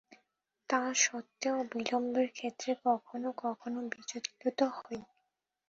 তা সত্ত্বেও বিলম্বের ক্ষেত্রে কখনও কখনও বিচলত হই।